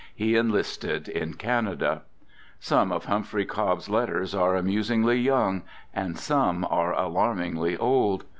He enlisted in Canada. Some of Humphrey Cobb's letters are amusingly young — and some are alarmingly old.